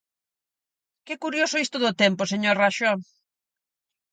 ¡Que curioso isto do tempo, señor Raxó!